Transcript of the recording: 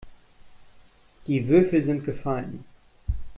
Die Würfel sind gefallen.